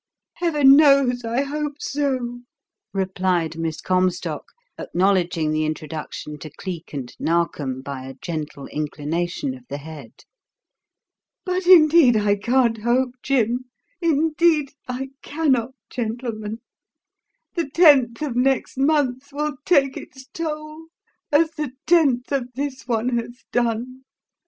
"Heaven knows I hope so," replied Miss Comstock, acknowledging the introduction to Cleek and Narkom by a gentle inclination of the head. "But indeed, I can't hope, Jim indeed, I cannot, gentlemen. The tenth of next month will take its toll as the tenth of this one has done.